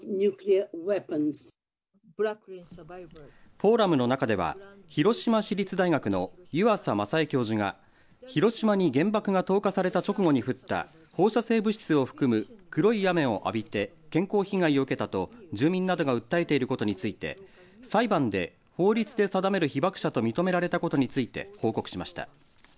フォーラムの中では広島市立大学の湯浅正恵教授が広島市に原爆が投下された直後に降った放射性物質を含む黒い雨を浴びて健康被害を受けたと住民などが訴えていることについて裁判でを法律で定める被爆者と認められたことについて報告しました。